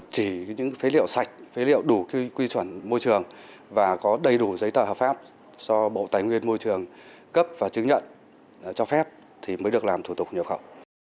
chỉ những phế liệu sạch phế liệu đủ quy chuẩn môi trường và có đầy đủ giấy tờ hợp pháp do bộ tài nguyên môi trường cấp và chứng nhận cho phép thì mới được làm thủ tục nhập khẩu